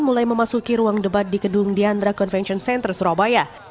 mulai memasuki ruang debat di gedung diandra convention center surabaya